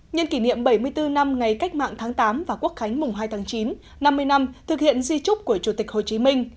nhân kỷ niệm bảy mươi bốn năm ngày cách mạng tháng tám và quốc khánh mùng hai tháng chín năm mươi năm thực hiện di trúc của chủ tịch hồ chí minh